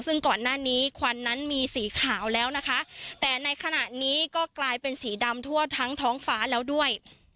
ซึ่งก่อนหน้านี้ควันนั้นมีสีขาวแล้วนะคะแต่ในขณะนี้ก็กลายเป็นสีดำทั่วทั้งท้องฟ้าแล้วด้วย